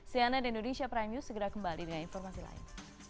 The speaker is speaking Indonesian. cnn indonesia prime news segera kembali dengan informasi lain